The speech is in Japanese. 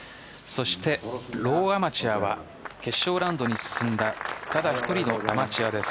そしてローアマチュアは決勝ラウンドに進んだただ１人のアマチュアです。